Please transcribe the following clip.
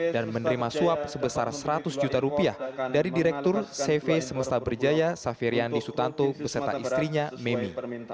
dan menerima suap sebesar seratus juta rupiah dari direktur cv semesta berjaya saferian disutanto beserta istrinya memi